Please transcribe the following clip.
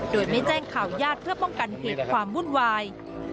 โดยไม่แจ้งข่าวญาติเพื่อป้องกันเหตุความวุ่นวาย